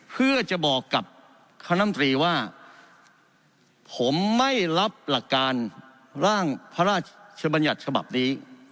เพื่อจะบอกกับคณะมตรีว่าผมไม่รับหลักการร่างพระราชบัญญัติฉบับนี้